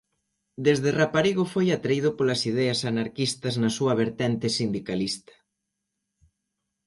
Desde raparigo foi atraído polas ideas anarquistas na súa vertente sindicalista.